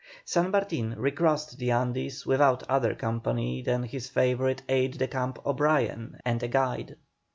San Martin recrossed the Andes without other company than his favourite aide de camp O'Brien, and a guide.